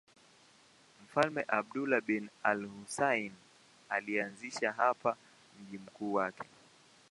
Mfalme Abdullah bin al-Husayn alianzisha hapa mji mkuu wake.